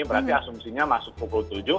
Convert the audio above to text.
berarti asumsinya masuk pukul tujuh